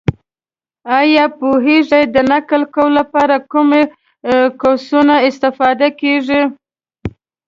ایا پوهېږې! د نقل قول لپاره کوم قوسونه استفاده کېږي؟